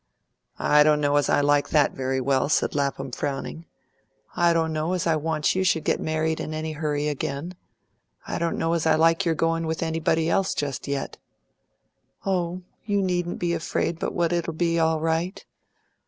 "I don't know as I like that very well," said Lapham, frowning. "I don't know as I want you should get married in any hurry again. I don't know as I like your going with anybody else just yet." "Oh, you needn't be afraid but what it'll be all right.